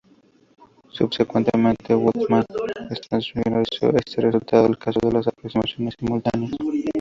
Subsecuentemente, Wolfgang M. Schmidt generalizó este resultado al caso de las "aproximaciones simultáneas".